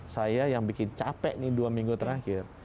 saya yang bikin capek nih dua minggu terakhir